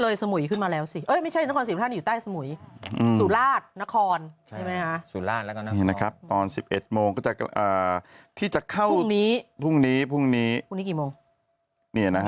เลยสมุยขึ้นมาแล้วสิไม่ใช่นครสีมูลธาตุนี้อยู่ใต้สมุย